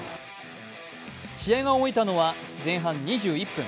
試合が動いたのは前半２１分。